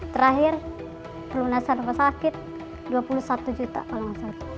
terakhir perlu nasabah sakit dua puluh satu juta kalau nggak sakit